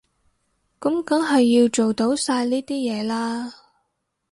噉梗係要做到晒呢啲嘢啦